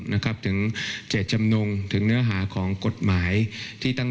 นะครับถึงเจตจำนงถึงเนื้อหาของกฎหมายที่ตั้ง